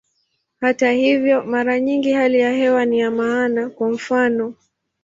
Hata hivyo, mara nyingi hali ya hewa ni ya maana, kwa mfano.